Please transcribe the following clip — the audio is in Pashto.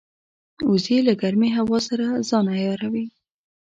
وزې له ګرمې هوا سره ځان عیاروي